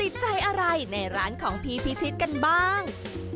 ติดใจอะไรในร้านของพี่พิชิตกันบ้าง